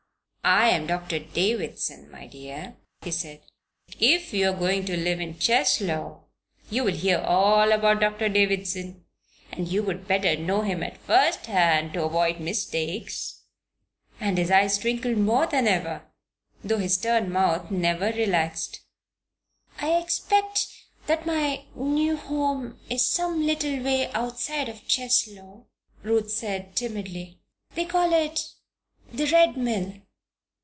"I am Doctor Davison, my dear," he said. "If you are going to live in Cheslow you will hear all about Doctor Davison, and you would better know him at first hand, to avoid mistakes," and his eyes twinkled more than ever, though his stern mouth never relaxed. "I expect that my new home is some little way outside of Cheslow," Ruth said, timidly. "They call it the Red Mill."